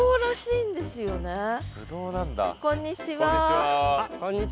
こんにちは。